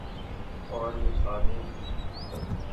اور میخانے بھی۔